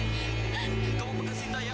kamu mengasihi saya